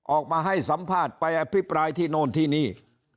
ออกมาให้สัมภาษณ์ไปอภิปรายที่โน่นที่นี่